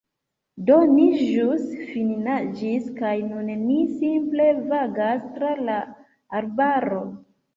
Do ni Ĵus finnaĝis kaj nun ni simple vagas tra la arbaro